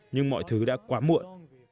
nhưng mọi thứ đã quá muộn